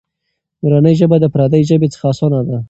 مورنۍ ژبه د پردۍ ژبې څخه اسانه ده.